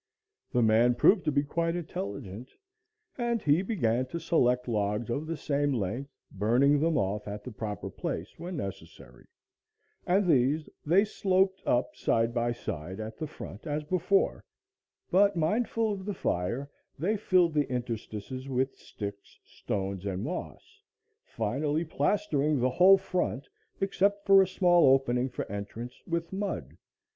The man proved to be quite intelligent, and he began to select logs of the same length, burning them off at the proper place when necessary; and these they sloped up side by side at the front as before, but, mindful of the fire, they filled the interstices with sticks, stones and moss, finally plastering the whole front, except for a small opening for entrance, with mud.